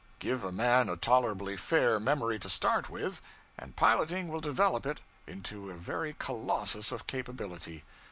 Give a man a tolerably fair memory to start with, and piloting will develop it into a very colossus of capability.